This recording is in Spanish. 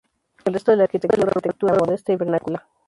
El resto de la arquitectura urbana era modesta y vernácula.